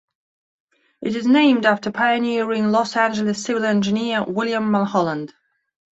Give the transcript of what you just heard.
It is named after pioneering Los Angeles civil engineer William Mulholland.